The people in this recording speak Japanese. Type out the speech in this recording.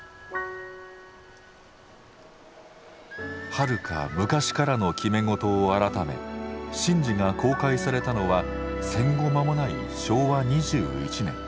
はるか昔からの決め事を改め神事が公開されたのは戦後間もない昭和２１年。